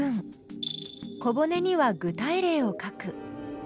小骨には具体例を書く。